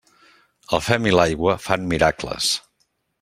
El fem i l'aigua fan miracles.